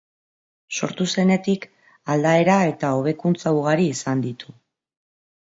Sortu zenetik, aldaera eta hobekuntza ugari izan ditu.